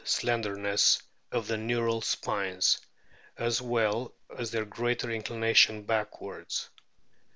232 A BOOK OF WHALES slenderness of the neural spines, as well as their greater inclination backwards.